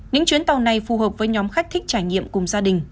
những chuyến tàu này phù hợp với nhóm khách thích trải nghiệm cùng gia đình